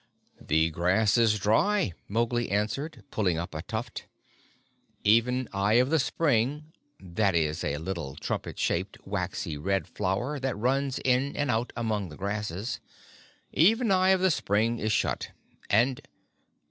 "The grass is dry," Mowgli answered, pulling up a tuft. "Even Eye of the Spring [that is a little trumpet shaped, waxy red flower that runs in and out among the grasses] even Eye of the Spring is shut, and